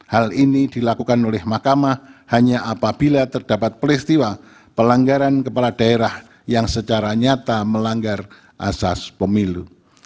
hal ini dilakukan oleh mahkamah hanya apabila terdapat peristiwa pelanggaran kepala daerah yang secara nyata melanggar asas pemilu